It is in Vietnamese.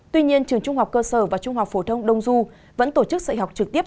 tuy nhiên trường trung học cơ sở và trung học phổ thông đông du vẫn tổ chức dạy học trực tiếp